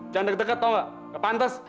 jangan deket deket tau gak gak pantas